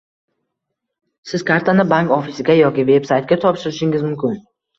Siz kartani bank ofisiga yoki veb -saytga topshirishingiz mumkin